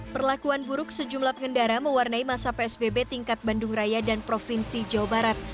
perlakuan buruk sejumlah pengendara mewarnai masa psbb tingkat bandung raya dan provinsi jawa barat